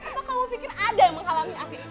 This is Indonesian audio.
apa kamu pikir ada yang menghalangi afif